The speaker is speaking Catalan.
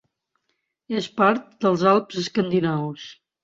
És part dels Alps Escandinaus.